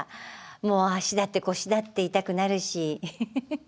もう足だって腰だって痛くなるし。